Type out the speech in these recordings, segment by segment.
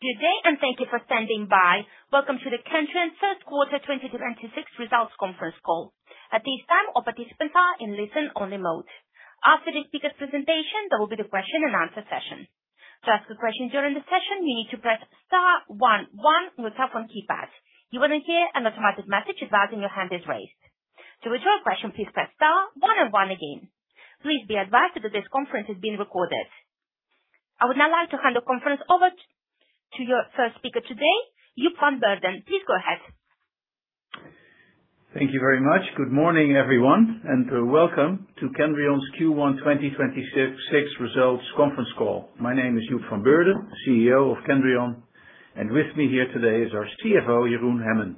Good day, and thank you for standing by. Welcome to the Kendrion first quarter 2026 results conference call. At this time, all participants are in listen-only mode. After the speaker's presentation, there will be the question-and-answer session. To ask a question during the session, you need to press star one one on your telephone keypad. You will then hear an automatic message advising your hand is raised. To withdraw your question, please press star one and one again. Please be advised that this conference is being recorded. I would now like to hand the conference over to your first speaker today, Joep van Beurden. Please go ahead. Thank you very much. Good morning, everyone, and welcome to Kendrion's Q1 2026 results conference call. My name is Joep van Beurden, CEO of Kendrion, and with me here today is our CFO, Jeroen Hemmen.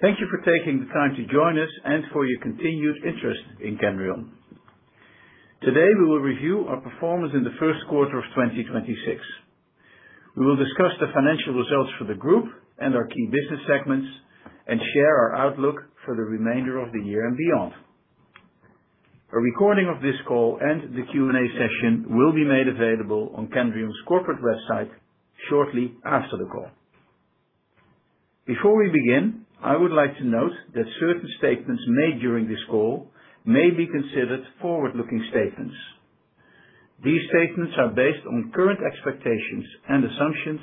Thank you for taking the time to join us and for your continued interest in Kendrion. Today, we will review our performance in the first quarter of 2026. We will discuss the financial results for the group and our key business segments and share our outlook for the remainder of the year and beyond. A recording of this call and the Q&A session will be made available on Kendrion's corporate website shortly after the call. Before we begin, I would like to note that certain statements made during this call may be considered forward-looking statements. These statements are based on current expectations and assumptions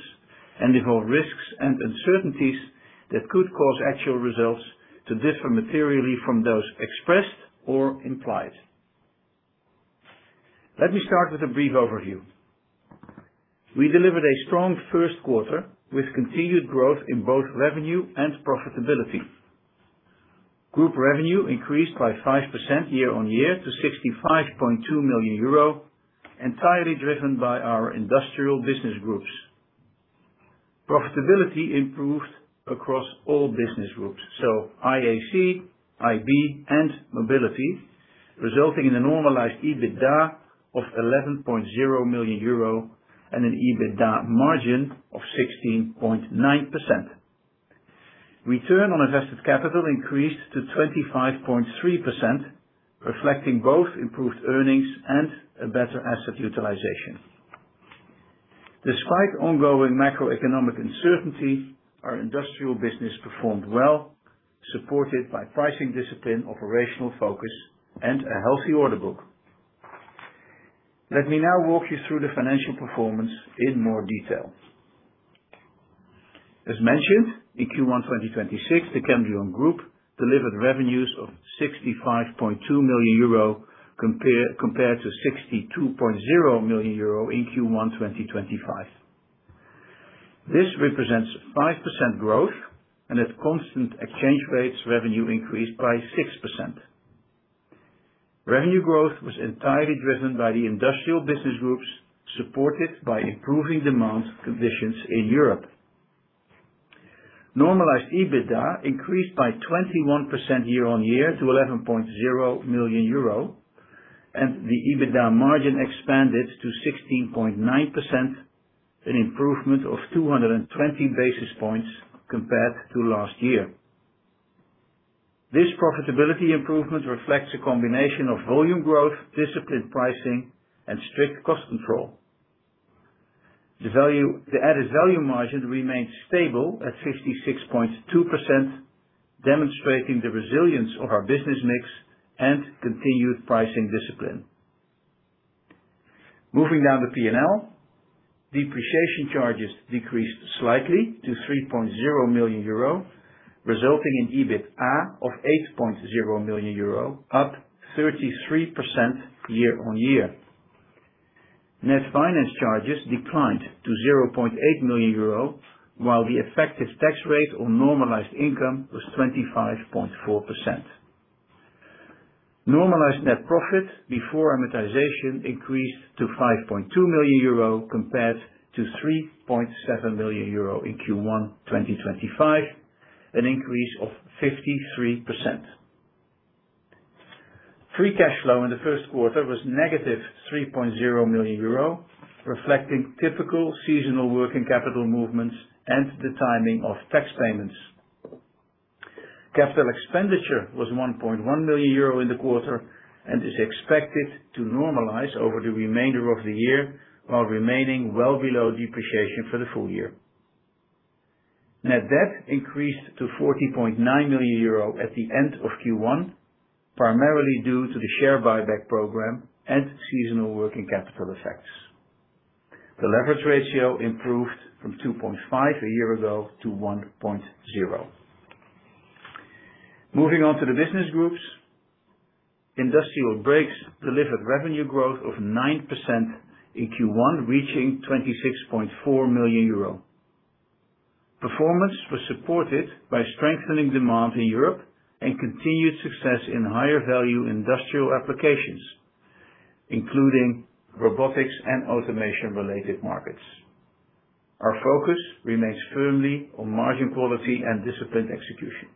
and involve risks and uncertainties that could cause actual results to differ materially from those expressed or implied. Let me start with a brief overview. We delivered a strong first quarter with continued growth in both revenue and profitability. Group revenue increased by 5% year-over-year to 65.2 million euro, entirely driven by our industrial business groups. Profitability improved across all business groups, so IAC, IB, and Mobility, resulting in a normalized EBITDA of 11.0 million euro and an EBITDA margin of 16.9%. Return on invested capital increased to 25.3%, reflecting both improved earnings and a better asset utilization. Despite ongoing macroeconomic uncertainty, our industrial business performed well, supported by pricing discipline, operational focus, and a healthy order book. Let me now walk you through the financial performance in more detail. As mentioned, in Q1 2026, the Kendrion Group delivered revenues of 65.2 million euro compared to 62.0 million euro in Q1 2025. This represents 5% growth and at constant exchange rates, revenue increased by 6%. Revenue growth was entirely driven by the industrial business groups, supported by improving demand conditions in Europe. Normalized EBITDA increased by 21% year-on-year to 11.0 million euro, and the EBITDA margin expanded to 16.9%, an improvement of 220 basis points compared to last year. This profitability improvement reflects a combination of volume growth, disciplined pricing, and strict cost control. The added value margin remained stable at 56.2%, demonstrating the resilience of our business mix and continued pricing discipline. Moving down the P&L, depreciation charges decreased slightly to 3.0 million euro, resulting in EBITDA of 8.0 million euro, up 33% year-on-year. Net finance charges declined to 0.8 million euro, while the effective tax rate on normalized income was 25.4%. Normalized net profit before amortization increased to 5.2 million euro compared to 3.7 million euro in Q1 2025, an increase of 53%. Free cash flow in the first quarter was negative 3.0 million euro, reflecting typical seasonal working capital movements and the timing of tax payments. Capital expenditure was 1.1 million euro in the quarter and is expected to normalize over the remainder of the year, while remaining well below depreciation for the full year. Net debt increased to 40.9 million euro at the end of Q1, primarily due to the share buyback program and seasonal working capital effects. The leverage ratio improved from 2.5x a year ago to 1.0x. Moving on to the business groups. Industrial Brakes delivered revenue growth of 9% in Q1, reaching 26.4 million euro. Performance was supported by strengthening demand in Europe and continued success in higher value industrial applications, including robotics and automation-related markets. Our focus remains firmly on margin quality and disciplined execution.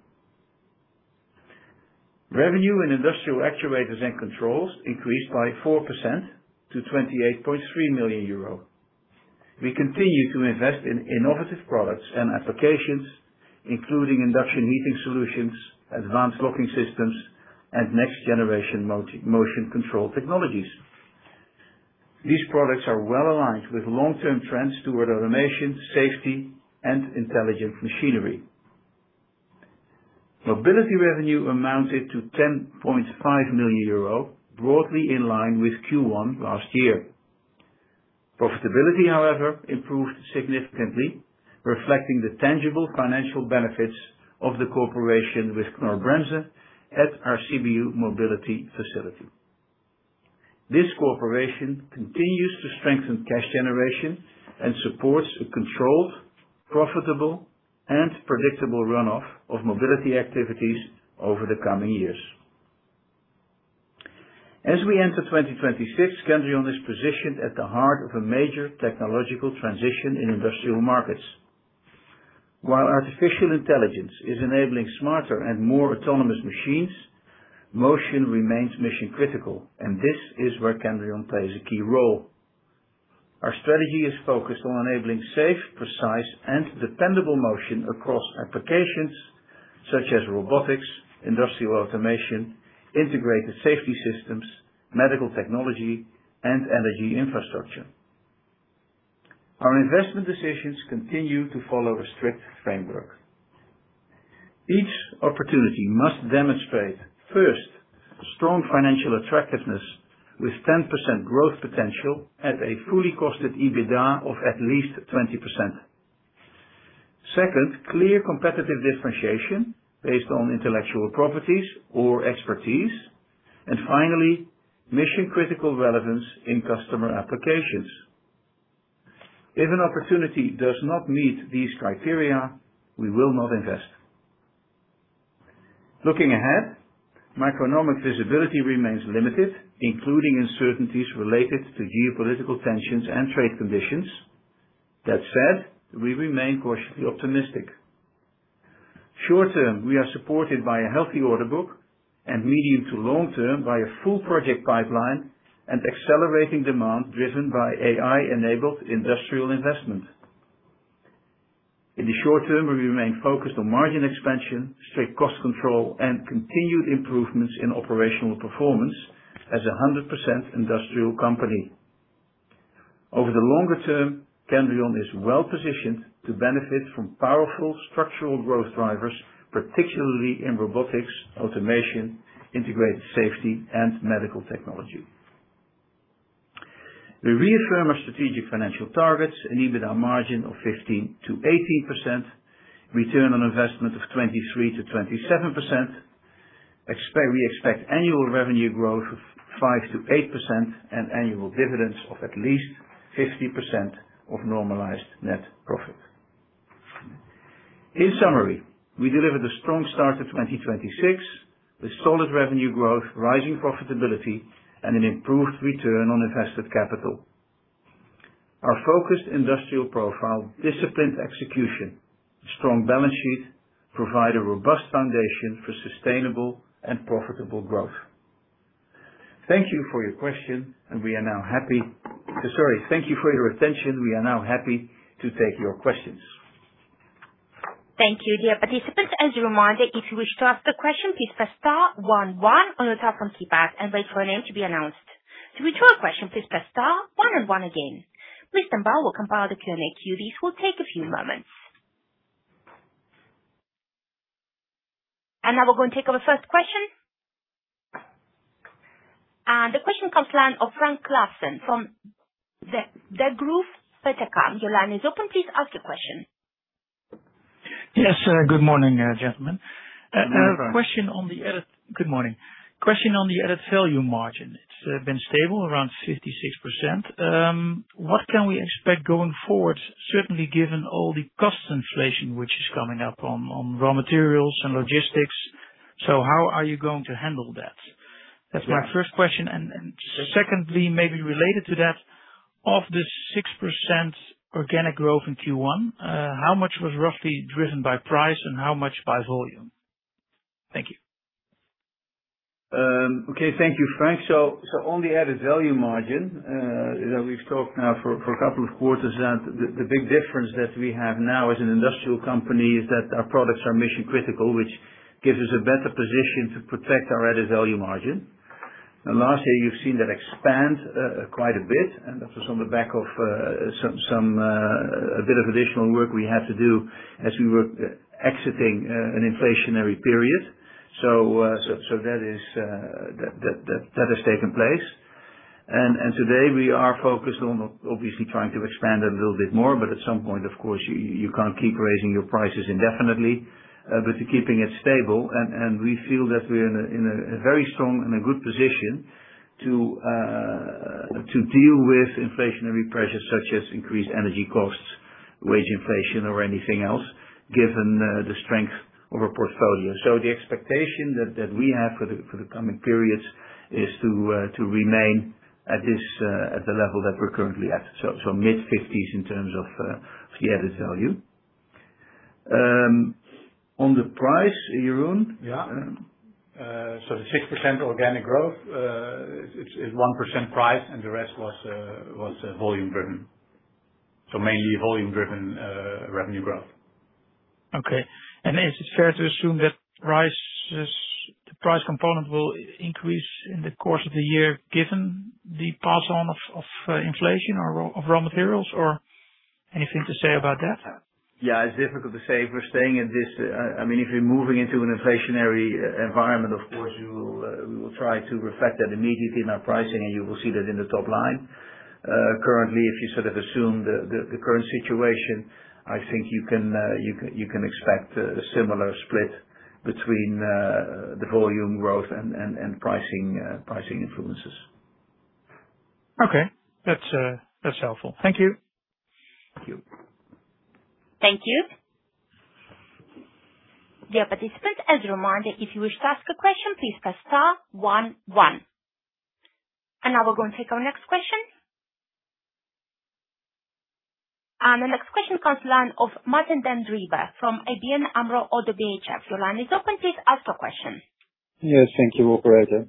Revenue in Industrial Actuators and Controls increased by 4% to 28.3 million euro. We continue to invest in innovative products and applications, including induction heating solutions, advanced locking systems, and next generation motion control technologies. These products are well-aligned with long-term trends toward automation, safety, and intelligent machinery. Mobility revenue amounted to 10.5 million euro, broadly in line with Q1 last year. Profitability, however, improved significantly, reflecting the tangible financial benefits of the cooperation with Knorr-Bremse at our Sibiu mobility facility. This cooperation continues to strengthen cash generation and supports a controlled, profitable, and predictable run-off of mobility activities over the coming years. As we enter 2026, Kendrion is positioned at the heart of a major technological transition in industrial markets. While artificial intelligence is enabling smarter and more autonomous machines, motion remains mission-critical, and this is where Kendrion plays a key role. Our strategy is focused on enabling safe, precise, and dependable motion across applications such as robotics, industrial automation, integrated safety systems, medical technology, and energy infrastructure. Our investment decisions continue to follow a strict framework. Each opportunity must demonstrate, first, strong financial attractiveness with 10% growth potential at a fully costed EBITDA of at least 20%. Second, clear competitive differentiation based on intellectual properties or expertise. Finally, mission-critical relevance in customer applications. If an opportunity does not meet these criteria, we will not invest. Looking ahead, macroeconomic visibility remains limited, including uncertainties related to geopolitical tensions and trade conditions. That said, we remain cautiously optimistic. Short term, we are supported by a healthy order book, and medium to long term by a full project pipeline and accelerating demand driven by AI-enabled industrial investment. In the short term, we remain focused on margin expansion, strict cost control, and continued improvements in operational performance as a 100% industrial company. Over the longer term, Kendrion is well-positioned to benefit from powerful structural growth drivers, particularly in robotics, automation, integrated safety, and medical technology. We reaffirm our strategic financial targets, an EBITDA margin of 15%-18%, return on investment of 23%-27%. We expect annual revenue growth of 5%-8% and annual dividends of at least 50% of normalized net profit. In summary, we delivered a strong start to 2026 with solid revenue growth, rising profitability, and an improved return on invested capital. Our focused industrial profile, disciplined execution, strong balance sheet provide a robust foundation for sustainable and profitable growth. Thank you for your question. So sorry. Thank you for your attention. We are now happy to take your questions. Thank you, dear participants. As a reminder, if you wish to ask a question, please press star one one on your telephone keypad and wait for your name to be announced. To withdraw a question, please press star one and one again. Mr. Mbaya will compile the Q&A queue. This will take a few moments. Now we're going to take our first question. The question comes line of Frank Claassen from the, Degroof Petercam. Your line is open. Please ask your question. Yes. good morning, gentlemen. Good morning. Good morning. Question on the added value margin. It's been stable around 56%. What can we expect going forward, certainly given all the cost inflation which is coming up on raw materials and logistics? How are you going to handle that? That's my first question. Secondly, maybe related to that, of the 6% organic growth in Q1, how much was roughly driven by price and how much by volume? Thank you. Okay. Thank you, Frank. On the added value margin, you know, we've talked now for a couple of quarters that the big difference that we have now as an industrial company is that our products are mission-critical, which gives us a better position to protect our added value margin. Last year you've seen that expand quite a bit, and this was on the back of some a bit of additional work we had to do as we were exiting an inflationary period. That is that has taken place. Today we are focused on obviously trying to expand a little bit more, but at some point, of course, you can't keep raising your prices indefinitely. Keeping it stable and we feel that we're in a very strong and a good position to deal with inflationary pressures such as increased energy costs, wage inflation or anything else, given the strength of our portfolio. The expectation that we have for the coming periods is to remain at this level that we're currently at. Mid-50s in terms of the added value. On the price, Jeroen? Yeah. The 6% organic growth is 1% price and the rest was volume driven. Mainly volume driven revenue growth. Okay. Is it fair to assume that the price component will increase in the course of the year, given the pass on of inflation or of raw materials or anything to say about that? It's difficult to say. If we're staying in this, I mean, if we're moving into an inflationary environment, of course, we will try to reflect that immediately in our pricing, and you will see that in the top line. Currently, if you sort of assume the current situation, I think you can expect a similar split between the volume growth and pricing influences. Okay. That's, that's helpful. Thank you. Thank you. Thank you. Dear participant, as a reminder, if you wish to ask a question, please press star one one. Now we're going to take our next question. The next question comes to line of Martijn den Drijver from ABN AMRO ODDO BHF. Your line is open, please ask your question. Yes, thank you, operator.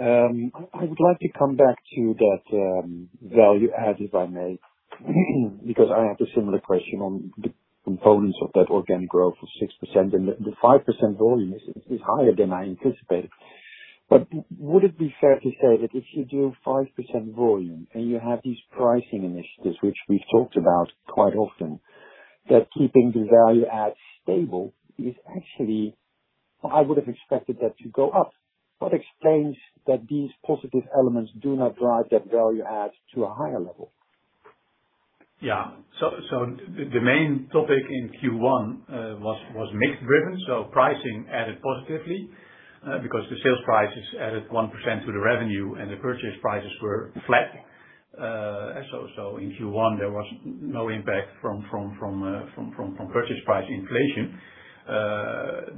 I would like to come back to that value add, if I may, because I have a similar question on the components of that organic growth of 6%. The 5% volume is higher than I anticipated. Would it be fair to say that if you do 5% volume and you have these pricing initiatives, which we've talked about quite often, that keeping the value add stable is actually I would have expected that to go up. What explains that these positive elements do not drive that value add to a higher level? The main topic in Q1 was mix driven, pricing added positively because the sales prices added 1% to the revenue and the purchase prices were flat. In Q1, there was no impact from purchase price inflation.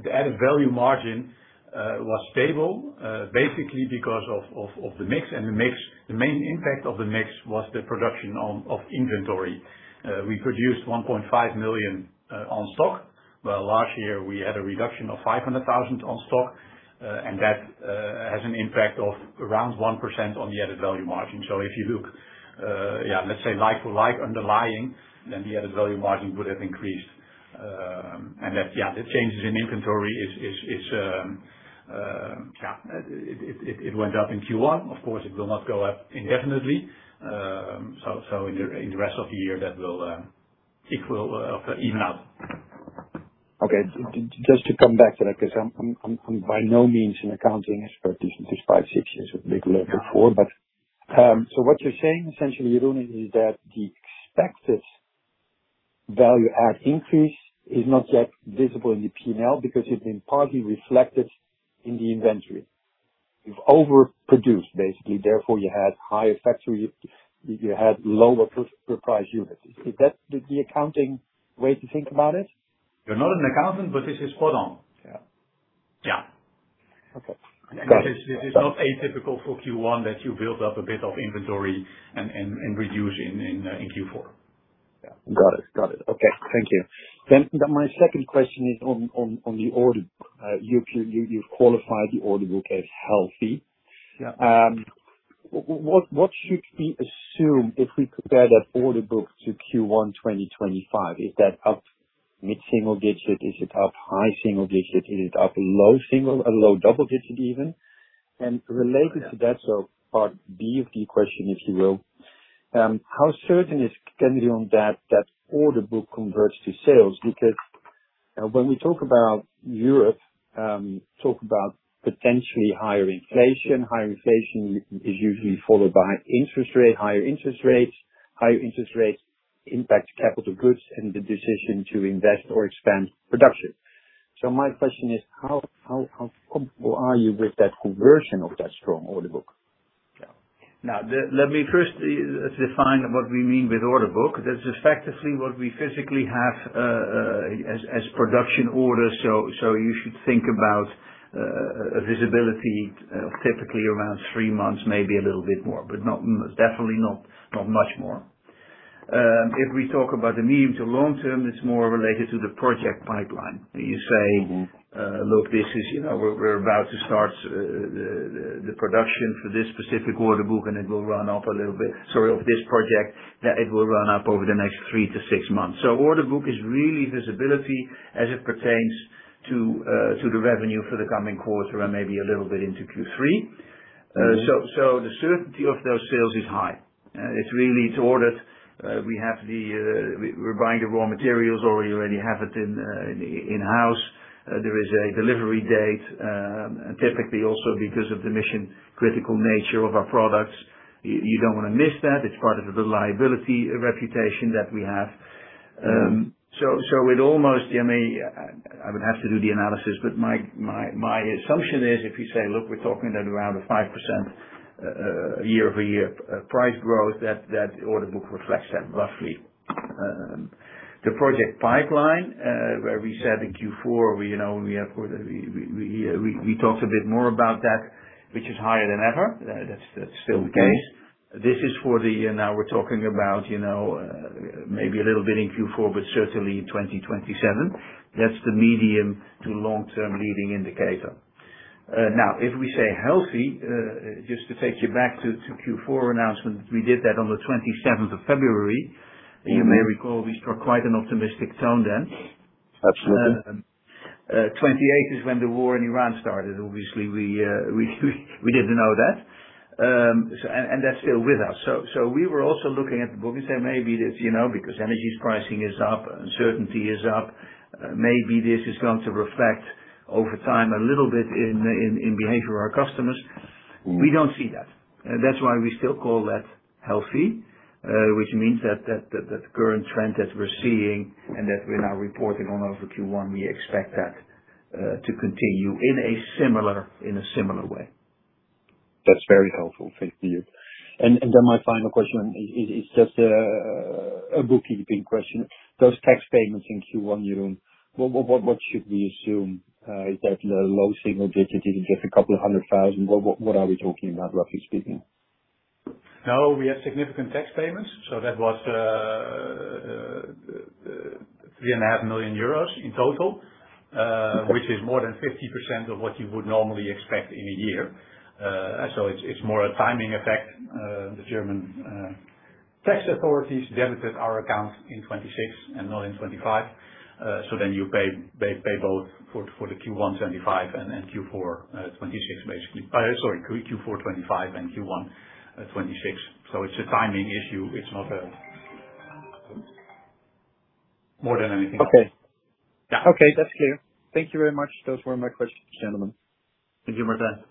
The added value margin was stable basically because of the mix. The mix, the main impact of the mix was the production of inventory. We produced 1.5 million on stock, while last year we had a reduction of 500,000 on stock. That has an impact of around 1% on the added value margin. If you look, let's say like for like underlying, the added value margin would have increased. That the changes in inventory, it went up in Q1. Of course, it will not go up indefinitely. In the rest of the year, that will, it will even out. Okay. Just to come back to that, because I'm by no means an accounting expert. This five, six is a big leap forward. What you're saying, essentially, Jeroen, is that the expected value add increase is not yet visible in the P&L because it's been partly reflected in the inventory. You've overproduced, basically, therefore, you had higher factory, you had lower price units. Is that the accounting way to think about it? You're not an accountant, but this is spot on. Yeah. Yeah. Okay. Got it. It is not atypical for Q1 that you build up a bit of inventory and reduce in Q4. Yeah. Got it. Okay. Thank you. My second question is on the order. You've qualified the order book as healthy. Yeah. What should we assume if we compare that order book to Q1 2025? Is that up mid-single digit? Is it up high single digit? Is it up low single, low double digit even? Related to that, so part B of the question, if you will, how certain is Kendrion on that order book converts to sales? Because when we talk about Europe, talk about potentially higher inflation. Higher inflation is usually followed by interest rate, higher interest rates. Higher interest rates impact capital goods and the decision to invest or expand production. My question is how comfortable are you with that conversion of that strong order book? Now, let me first define what we mean with order book. That's effectively what we physically have as production order. You should think about a visibility of typically around three months, maybe a little bit more, but not, definitely not much more. If we talk about the medium to long term, it's more related to the project pipeline. You say- Look, this is, you know, we're about to start, the production for this specific order book, and it will run up a little bit. Sorry, of this project, that it will run up over the next three to six months. Order book is really visibility as it pertains to the revenue for the coming quarter and maybe a little bit into Q3. So the certainty of those sales is high. It's really ordered. We have the, we are buying the raw materials, or we already have it in house. There is a delivery date, and typically also because of the mission-critical nature of our products, you don't wanna miss that. It's part of the reliability reputation that we have. So it almost, I mean, I would have to do the analysis, but my assumption is if you say, look, we are talking at around a 5% year-over-year price growth, that order book reflects that roughly. The project pipeline, where we said in Q4, we, you know, we have, we talked a bit more about that. Which is higher than ever. That's still the case. This is for the, now we're talking about, you know, maybe a little bit in Q4 but certainly in 2027. That's the medium to long-term leading indicator. Now, if we say healthy, just to take you back to Q4 announcement, we did that on the 27th of February. You may recall we struck quite an optimistic tone then. Absolutely. 28 is when the war in Ukraine started. Obviously, we didn't know that. That's still with us. We were also looking at the book and said, maybe this, you know, because energy's pricing is up, uncertainty is up, maybe this is going to reflect over time a little bit in behavior of our customers. We don't see that. That's why we still call that healthy, which means that current trend that we're seeing and that we're now reporting on over Q1, we expect that to continue in a similar way. That's very helpful. Thank you. My final question is just a bookkeeping question. Those tax payments in Q1, Jeroen, what should we assume? Is that low single digits, is it just a couple of 100,000? What are we talking about, roughly speaking? We had significant tax payments, so that was, 3.5 million euros In total. Okay. Which is more than 50% of what you would normally expect in a year. It's more a timing effect. The German tax authorities debited our account in 2026 and not in 2025. You pay both for the Q1 2025 and then Q4 2026. Sorry, Q4 2025 and Q1 2026. It's a timing issue. Okay. Yeah. Okay. That's clear. Thank you very much. Those were my questions, gentlemen. Thank you, Martijn.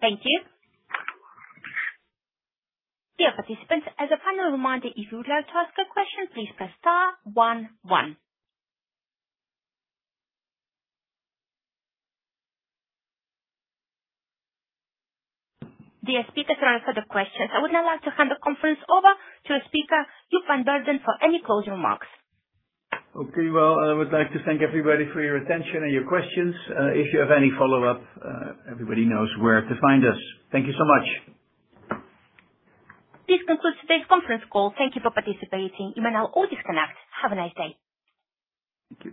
Thank you. Dear participants, as a final reminder, if you would like to ask a question, please press star one one. The speakers are answered the questions. I would now like to hand the conference over to a speaker, Joep van Beurden for any closing remarks. Okay. Well, I would like to thank everybody for your attention and your questions. If you have any follow-up, everybody knows where to find us. Thank you so much. This concludes today's conference call. Thank you for participating. You may now all disconnect. Have a nice day. Thank you.